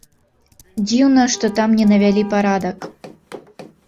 Дзіўна, што там не навялі парадак.